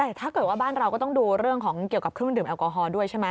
แต่ถ้าเกิดว่าบ้านเราก็ต้องดูเรื่องของเกี่ยวกับเครื่องดื่มแอลกอฮอล์ด้วยใช่ไหม